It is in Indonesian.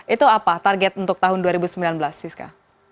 itu apa target untuk tahun dua ribu sembilan belas siska